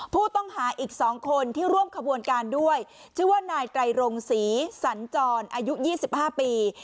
ผู้ต้องหาอีก๒คนที่ร่วมขบวนการด้วยชื่อว่านายไตรรงศรีสัญจรอายุ๒๕ปี